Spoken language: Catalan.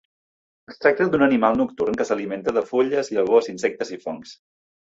Es tracta d'un animal nocturn que s'alimenta de fulles, llavors, insectes i fongs.